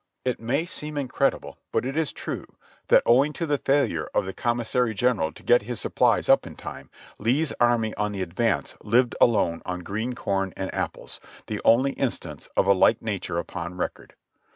It may seem incredible, but it is true, that owing to the failure of the Commissary General to get his supplies up in time, Lee's army on the advance lived alone on green corn and apples — the only instance of a like nature upon record.